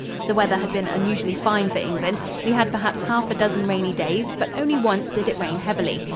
The weather had been unusually fine for England; we had perhaps half a dozen rainy days, but only once did it rain heavily.